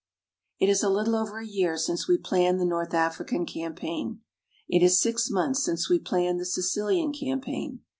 It is a little over a year since we planned the North African campaign. It is six months since we planned the Sicilian campaign.